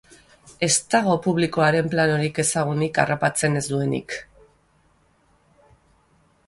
Ez dago publikoaren planorik ezagunik harrapatzen ez duenik.